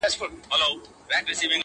یار نوشلی یې په نوم دمیو جام دی.